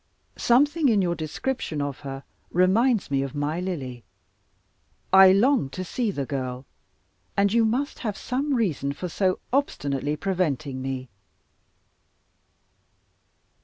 Something in your description of her reminds me of my Lily. I long to see the girl: and you must have some reason for so obstinately preventing me.